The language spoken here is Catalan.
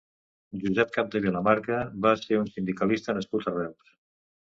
Josep Capdevila Marca va ser un sindicalista nascut a Reus.